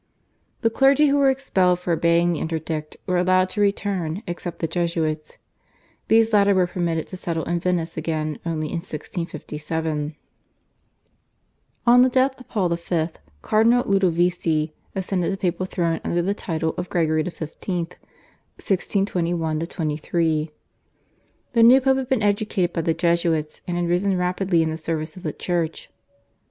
The clergy who were expelled for obeying the interdict were allowed to return except the Jesuits. These latter were permitted to settle in Venice again only in 1657. On the death of Paul V. Cardinal Ludovisi ascended the papal throne under the title of Gregory XV. (1621 23). The new Pope had been educated by the Jesuits, and had risen rapidly in the service of the Church.